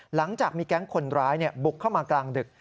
หลังจากมีแก๊งคนร้ายบุกเข้ามากลางดึก